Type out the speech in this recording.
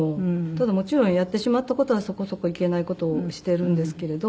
ただもちろんやってしまった事はそこそこいけない事をしているんですけれど。